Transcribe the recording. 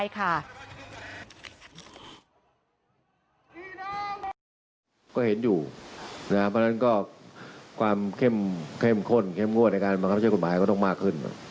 เข้มข้นเข้มงวดในการบังคับใช้กฎหมายก็ต้องมากขึ้น